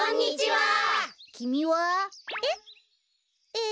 きみは？え？